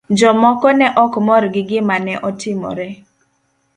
Jomoko ne ok mor gi gima ne otimore.